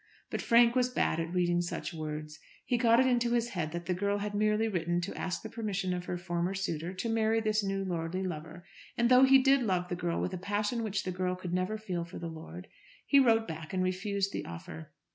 But Frank was bad at reading such words. He got it into his head that the girl had merely written to ask the permission of her former suitor to marry this new lordly lover, and, though he did love the girl, with a passion which the girl could never feel for the lord, he wrote back and refused the offer.